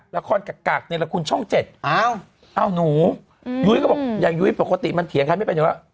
ละครกักในละครช่อง๗เอ้าหนูยุ้ยก็บอกอย่างยุ้ยปกติมันเถียงค่ะไม่เป็นไร